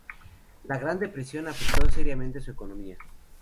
La Gran Depresión afectó seriamente su economía.